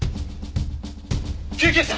救急車！